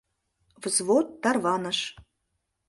Взвод тарваныш.